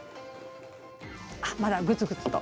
あっまだグツグツと。